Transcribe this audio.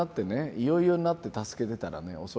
いよいよになって助けてたらね遅い。